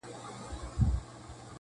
زه به نه یم ستا جلګې به زرغونې وي -